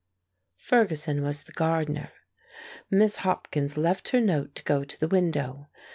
Ferguson was the gardener. Miss Hopkins left her note to go to the window.